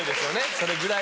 それぐらい